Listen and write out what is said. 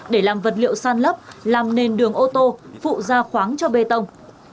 để làm vật liệu san lấp làm nền đường ô tô phụ gia khoáng cho bê tông